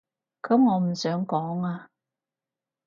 噉我唔想講啊